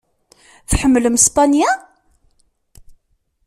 Tḥemmlem Spanya?